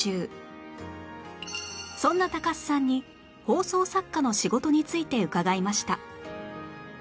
そんな高須さんに放送作家の仕事について伺いました